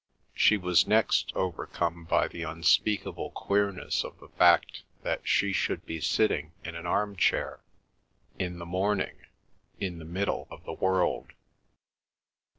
She was next overcome by the unspeakable queerness of the fact that she should be sitting in an arm chair, in the morning, in the middle of the world.